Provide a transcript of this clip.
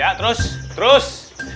ya terus terus